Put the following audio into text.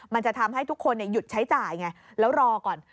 มันจะทำให้ทุกคนหยุดใช้จ่ายไงแล้วรอก่อน